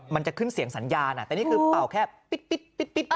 มันจะขึ้นเสียงสัญญาณแต่นี่คือเป่าแค่ปิ๊ด